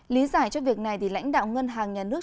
lý giải cho việc này thì lãnh đạo ngân hàng nhà nước